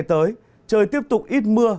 trời tiếp tục ít mưa